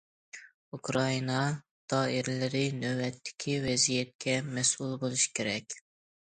ئۇكرائىنا دائىرىلىرى نۆۋەتتىكى ۋەزىيەتكە مەسئۇل بولۇشى كېرەك.